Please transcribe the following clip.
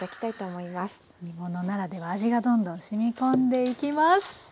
煮物ならでは味がどんどんしみ込んでいきます。